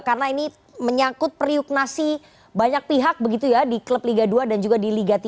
karena ini menyakut periuk nasi banyak pihak begitu ya di klub liga dua dan juga di liga tiga